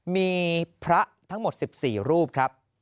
มีพระทั้งหมด๑๔รูปครับ